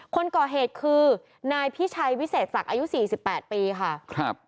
คนก่อเหตุคือนายพี่ชัยวิเศษศักดิ์อายุ๔๘ปีค่ะ